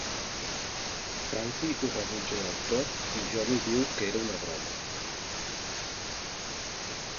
Frankie ho rebutja del tot i Johnny diu que era una broma.